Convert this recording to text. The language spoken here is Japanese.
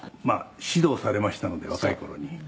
「まあ指導されましたので若い頃に」